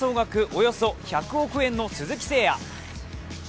およそ１００億円の鈴木誠也。